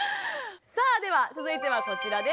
さあでは続いてはこちらです。